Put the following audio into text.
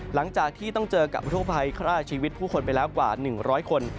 หลังจากที่ต้องเจอกับอุทธกภัยฆ่าชีวิตผู้คนไปแล้วกว่า๑๐๐คน